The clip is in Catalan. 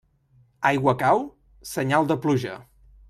Aigua cau? Senyal de pluja.